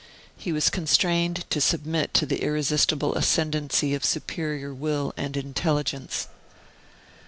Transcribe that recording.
He was constrained to submit to the irresistible ascendency of superior will and intelligence.